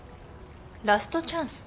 ラストチャンス？